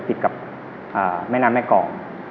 ติดกับแม่น้ำแม่กอง